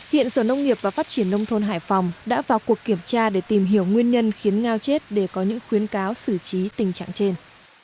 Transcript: hiện sở nông nghiệp và phát triển nông thôn hải phòng đã vào cuộc kiểm tra để tìm hiểu nguyên nhân khiến ngao chết để có những khuyến cáo xử trí tình trạng trên